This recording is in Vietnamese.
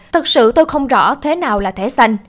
thật sự tôi không rõ thế nào là thẻ xanh